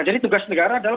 jadi tugas negara adalah